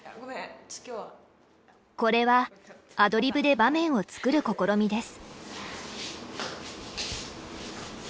これはアドリブで場面を作る試みです。